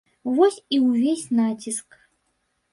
Вось і ўвесь націск.